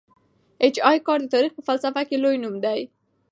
ای اېچ کار د تاریخ په فلسفه کي لوی نوم دی.